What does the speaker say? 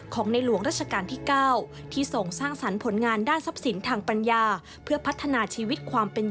ของในหลวงรัชกาลที่๙ที่ส่งสร้างศาลผลงานด้านทรัพย์สินทางปัญญา